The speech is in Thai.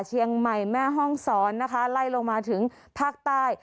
เชียงใหม่แม่ห้องศรนะคะไล่ลงมาถึงภาคใต้